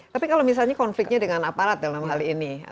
tapi kalau misalnya konfliknya dengan aparat dalam hal ini